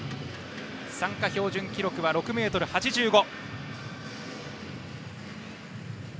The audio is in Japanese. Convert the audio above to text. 参加標準記録は６ｍ８５。